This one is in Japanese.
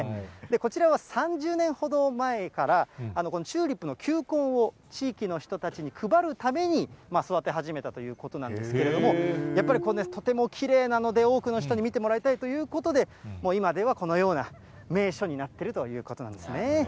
こちらは３０年ほど前から、チューリップの球根を地域の人たちに配るために、育て始めたということなんですけれども、やっぱりとてもきれいなので、多くの人に見てもらいたいということで、今ではこのような名所になっているということなんですね。